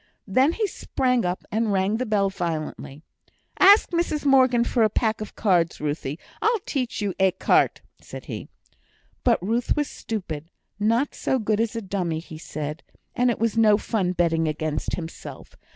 Then he sprang up, and rung the bell violently. "Ask Mrs Morgan for a pack of cards. Ruthie, I'll teach you écarté," said he. But Ruth was stupid, not so good as a dummy, he said; and it was no fun betting against himself.